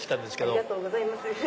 ありがとうございます。